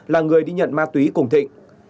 là người đi nhận ma túy cùng thịnh